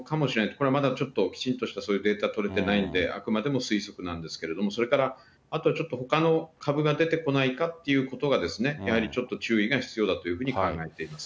これはまだちょっときちんとしたデータ取れてないんで、あくまでも推測なんですけれども、それからあとちょっと、ほかの株が出てこないかということがですね、やはりちょっと注意が必要だというふうに考えています。